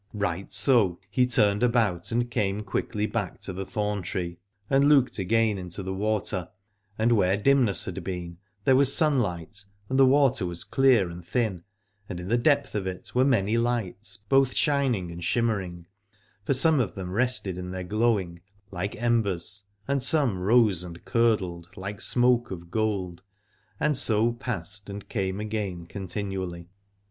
Right so he turned about and came quickly back to the thorn tree, and looked again into the water; and where dimness had been there was sun light, and the water was clear and thin, and in the depth of it were many lights both shining and shimmering, for some of them rested in their glowing, like embers, and some rose and curdled, like smoke of gold, and so passed and came again continually.